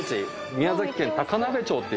宮崎県高鍋町っていう